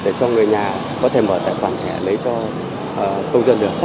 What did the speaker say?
để cho người nhà có thể mở tài khoản thẻ lấy cho công dân được